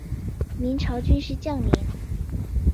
明朝军事将领。